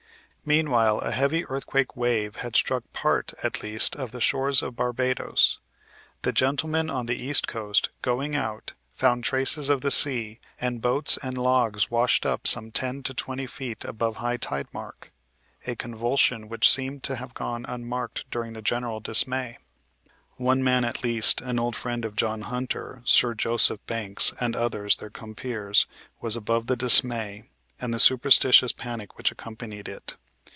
"Meanwhile a heavy earthquake wave had struck part at least of the shores of Barbados. The gentleman on the east coast, going out, found traces of the sea, and boats and logs washed up some ten to twenty feet above high tide mark; a convulsion which seemed to have gone unmarked during the general dismay. "One man at least, an old friend of John Hunter, Sir Joseph Banks and others their compeers, was above the dismay, and the superstitious panic which accompanied it.